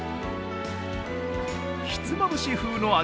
ひつまぶし風の味